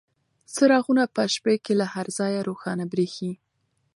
چراغونه په شپې کې له هر ځایه روښانه بریښي.